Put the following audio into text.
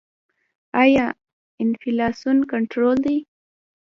آیا انفلاسیون کنټرول دی؟